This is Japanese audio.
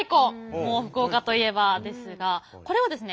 もう福岡といえばですがこれはですね